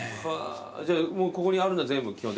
じゃあここにあるのは全部基本的には。